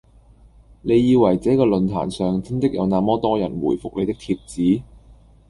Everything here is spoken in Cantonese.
你以為這個論壇上真的有那麼多人回覆你的帖子？